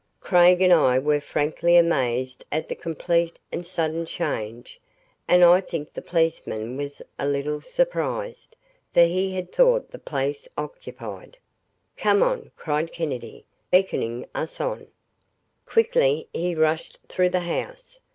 Craig and I were frankly amazed at the complete and sudden change and I think the policeman was a little surprised, for he had thought the place occupied. "Come on," cried Kennedy, beckoning us on. Quickly he rushed through the house.